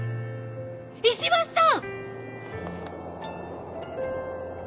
石橋さん！